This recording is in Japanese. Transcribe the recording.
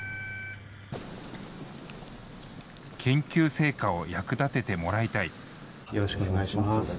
研究成果を役立ててもらいたい。